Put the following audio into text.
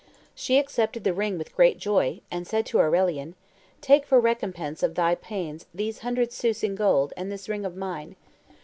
She accepted the ring with great joy, and said to Aurelian, 'Take for recompense of thy pains these hundred sous in gold and this ring of mine.